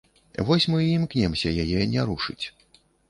Вось мы і імкнёмся яе не рушыць.